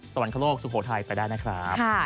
สวรรคโลกสุโขทัยไปได้นะครับ